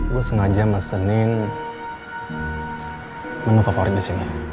gue sengaja mesenin menu favorit di sini